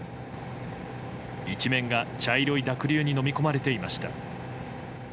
一面が茶色い濁流にのみ込まれていました。